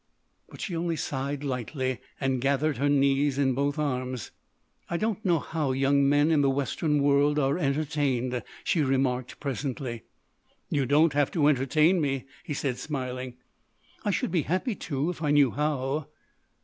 But she only sighed, lightly, and gathered her knees in both arms. "I don't know how young men in the Western world are entertained," she remarked presently. "You don't have to entertain me," he said, smiling. "I should be happy to, if I knew how."